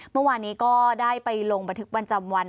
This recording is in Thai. เมื่อวานนี้ก็ได้ไปลงบันทึกประจำวัน